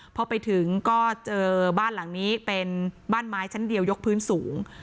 พอไปถึงก็เจอบ้านหลังนี้เป็นบ้านไม้ชั้นเดียวยกพื้นสูง